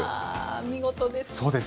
見事です。